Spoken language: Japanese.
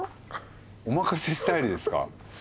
お任せスタイルですか？